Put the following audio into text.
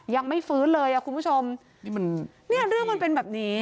ยังไม่ฟื้นเลยอ่ะคุณผู้ชมนี่มันเนี่ยเรื่องมันเป็นแบบนี้